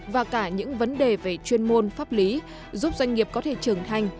và cả những vấn đề về chuyên môn pháp lý giúp doanh nghiệp có thể trưởng thành